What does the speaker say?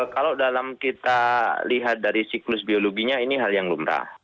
kalau dalam kita lihat dari siklus biologinya ini hal yang lumrah